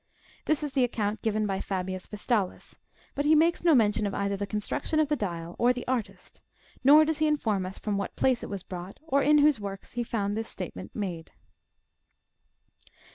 This is the account given by Fabius Yestalis ; but he makes no mention of either the construction of the dial or the artist, nor does he inform us from what place it was brought, or in whose works he found this statement made.